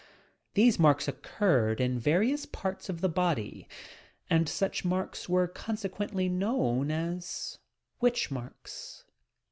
These marks occurred in various parts of the body, and such marks were consequently known as "witch marks."